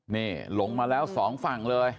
นี่ลงมาแล้วสองฝั่งเลย